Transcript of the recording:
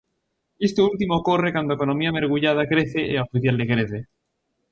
Isto último ocorre cando a economía mergullada crece e a oficial decrece.